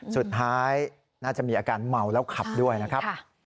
สุดท้ายน่าจะมีอาการเมาแล้วขับด้วยนะครับ